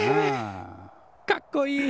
かっこいい。